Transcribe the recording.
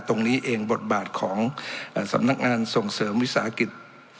ตรงนี้เองบทบาทของสำนักงานส่งเสริมวิสาหกิจ